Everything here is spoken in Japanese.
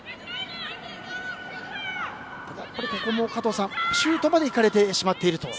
ここも加藤さん、シュートまでいかれてしまっていると。